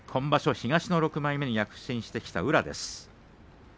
東の６枚目に躍進してきた宇良です。